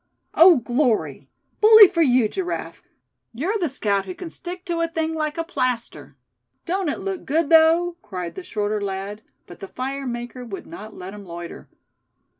"Oh! glory! Bully for you, Giraffe! You're the scout who can stick to a thing like a plaster. Don't it look good, though?" cried the shorter lad; but the fire maker would not let him loiter.